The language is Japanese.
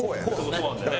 そうなんだよね。